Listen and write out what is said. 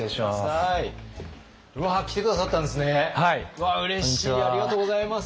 うわうれしいありがとうございます。